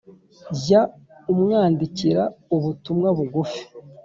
jya umwandikira ubutumwa bugufi,